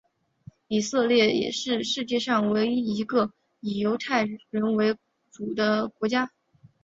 以色列也是世界上唯一一个以犹太人为主的国家。